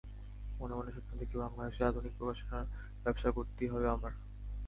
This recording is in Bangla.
মনে মনে স্বপ্ন দেখি, বাংলাদেশে আধুনিক প্রকাশনার ব্যবসা করতেই হবে আমার।